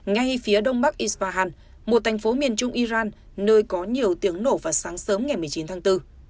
ngay phía đông bắc ispahan một thành phố miền trung iran nơi có nhiều tiếng nổ vào sáng sớm ngày một mươi chín tháng bốn